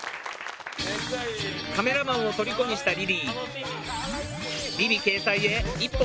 カメラマンを虜にしたリリー